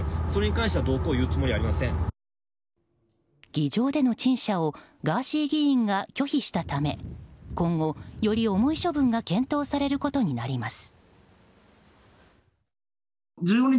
議場での陳謝をガーシー議員が拒否したため今後、より重い処分が検討されることになります。